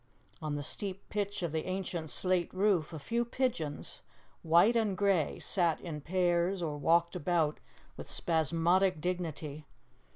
On the steep pitch of the ancient slate roof a few pigeons, white and grey, sat in pairs or walked about with spasmodic dignity.